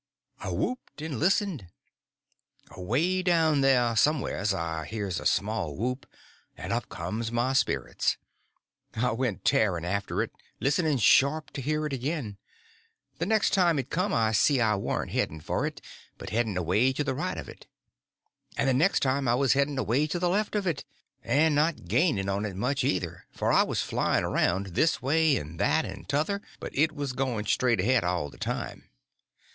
I whooped and listened. Away down there somewheres I hears a small whoop, and up comes my spirits. I went tearing after it, listening sharp to hear it again. The next time it come I see I warn't heading for it, but heading away to the right of it. And the next time I was heading away to the left of it—and not gaining on it much either, for I was flying around, this way and that and t'other, but it was going straight ahead all the time.